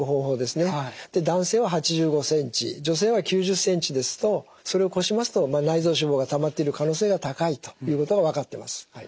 男性は８５ｃｍ女性は９０ｃｍですとそれを超しますと内臓脂肪がたまっている可能性が高いということが分かってます。